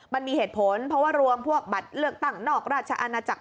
มันมีเหตุผลเพราะว่ารวมพวกบัตรเลือกตั้งนอกราชอาณาจักร